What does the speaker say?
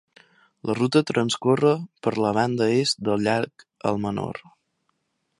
La ruta transcorre per la banda est del llac Almanor.